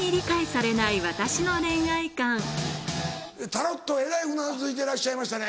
タロットえらいうなずいてらっしゃいましたね。